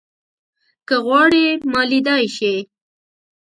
که غواړې ما ليدای شې